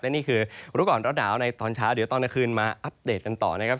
นี่คือรู้ก่อนร้อนหนาวในตอนเช้าเดี๋ยวตอนกลางคืนมาอัปเดตกันต่อนะครับ